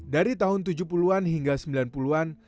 dari tahun tujuh puluh an hingga sembilan puluh an